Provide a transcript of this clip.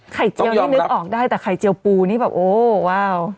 เจียวนี่นึกออกได้แต่ไข่เจียวปูนี่แบบโอ้ว้าว